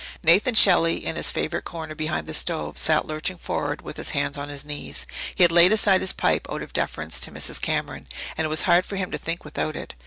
Nathan Shelley, in his favourite corner behind the stove, sat lurching forward with his hands on his knees. He had laid aside his pipe out of deference to Mrs. Cameron, and it was hard for him to think without it.